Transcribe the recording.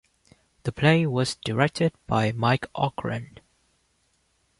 The play was directed by Mike Ockrent.